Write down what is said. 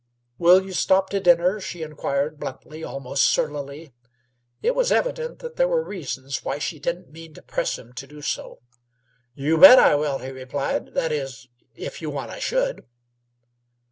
"Will you stop to dinner?" she inquired bluntly, almost surlily. It was evident there were reasons why she didn't mean to press him to do so. "You bet I will," he replied; "that is, if you want I should."